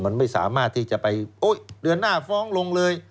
มันไม่สามารถที่จะไปโอ๊ยเดือนหน้าฟ้องลงเลย